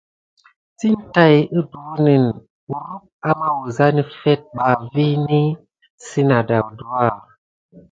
Sine tat kuduweni kurum amayusa nefet bas vini sina adayuka.